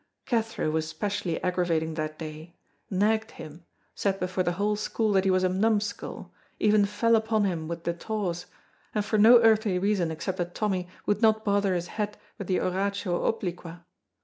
Cathro was specially aggravating that day, nagged him, said before the whole school that he was a numskull, even fell upon him with the tawse, and for no earthly reason except that Tommy would not bother his head with the oratio obliqua.